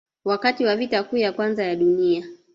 Wakati wa Vita Kuu ya Kwanza ya Dunia